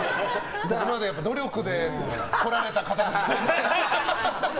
今まで努力で来られた方ですから。